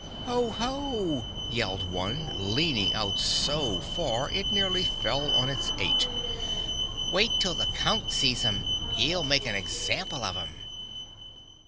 "Ho! Ho!" yelled one, leaning out so far it nearly fell on its Eight. "Wait till the Count sees 'em. He'll make an example of 'em!"